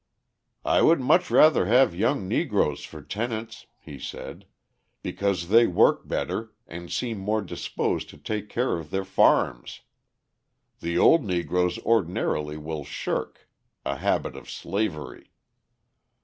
"I would much rather have young Negroes for tenants," he said, "because they work better and seem more disposed to take care of their farms. The old Negroes ordinarily will shirk a habit of slavery."